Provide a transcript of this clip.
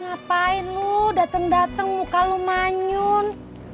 ngapain lu dateng dateng muka lu manyun